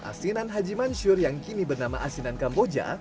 asinan haji mansur yang kini bernama asinan kamboja